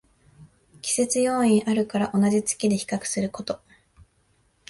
季節要因あるから同じ月で比較すること